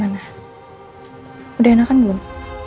bin gimana udah enakan belum